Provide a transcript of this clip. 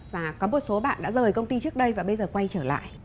và có một số bạn đã rời công ty trước đây và bây giờ quay trở lại